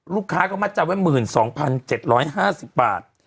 ลูกค้าก็มัดจำไว้๑๒๗๕๐บาท